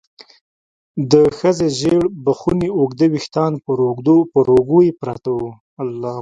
د ښځې ژېړ بخوني اوږده ويښتان پر اوږو يې پراته وو.